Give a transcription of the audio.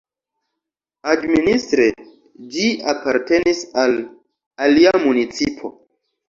Administre ĝi apartenis al alia municipo.